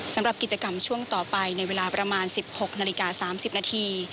สำหรับกิจกรรมช่วงต่อไปในเวลาประมาณ๑๖นาฬิกา๓๐นาที